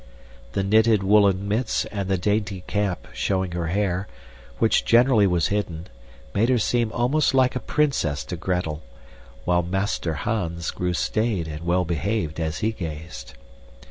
The knitted woolen mitts and the dainty cap showing her hair, which generally was hidden, made her seem almost like a princess to Gretel, while Master Hans grew staid and well behaved as he gazed.